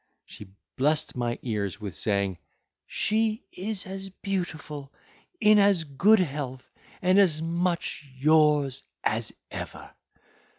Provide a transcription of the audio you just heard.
She blessed my ears with saying, "She is as beautiful, in as good health, and as much yours as ever."